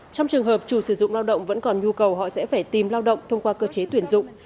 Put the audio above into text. trong trường hợp chủ sử dụng lao động vẫn còn nhu cầu họ sẽ phải tìm lao động thông qua cơ chế tuyển dụng